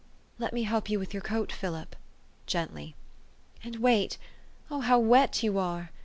" Let me help you with your coat, Philip," gen tly. " And wait Oh, how wet you are